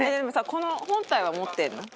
この本体は持ってるの？